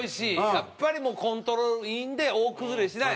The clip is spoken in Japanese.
やっぱりもうコントロールいいんで大崩れしない